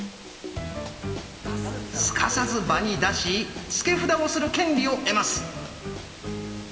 すかさず場に出し付け札をする権利を得ます。